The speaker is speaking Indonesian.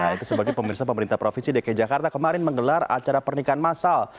nah itu sebagai pemerintah provinsi dki jakarta kemarin menggelar acara pernikahan masal